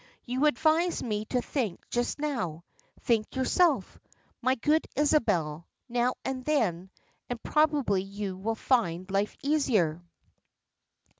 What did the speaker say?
You advised me to think just now; think yourself, my good Isabel, now and then, and probably you will find life easier."